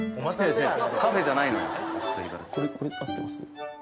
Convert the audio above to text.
これ合ってます？